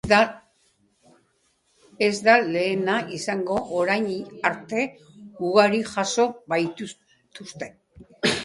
Ez da lehena izango, orain arte ugari jaso baitituzte.